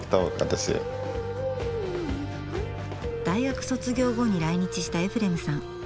大学卒業後に来日したエフレムさん。